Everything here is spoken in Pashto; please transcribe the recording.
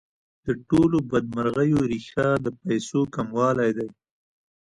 د ټولو بدمرغیو ریښه د پیسو کموالی دی.